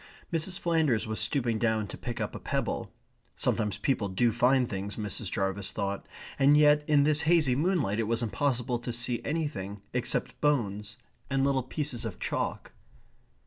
Mrs. Flanders was stooping down to pick up a pebble. Sometimes people do find things, Mrs. Jarvis thought, and yet in this hazy moonlight it was impossible to see anything, except bones, and little pieces of chalk.